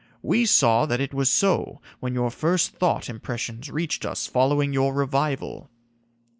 We saw that it was so when your first thought impressions reached us following your revival."